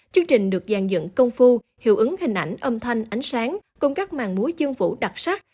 chương trình được dàn dựng công phu hiệu ứng hình ảnh âm thanh ánh sáng cùng các màn múa dương vũ đặc sắc